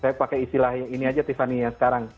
saya pakai istilah ini aja tiffany ya sekarang